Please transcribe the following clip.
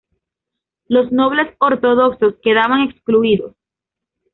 Los nobles ortodoxos quedaban excluidos.